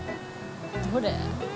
どれ？